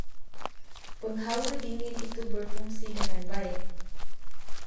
Penghawa dingin itu berfungsi dengan baik.